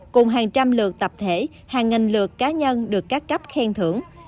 cùng hàng trăm lượt tập thể hàng nghìn lượt cá nhân được các cấp khen thưởng